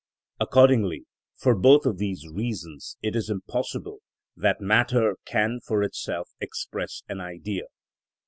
Accordingly for both of these reasons it is impossible that matter can for itself express any Idea.